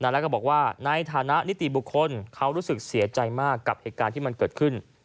แล้วก็บอกว่าในฐานะนิติบุคคลเขารู้สึกเสียใจมากกับเหตุการณ์ที่มันเกิดขึ้น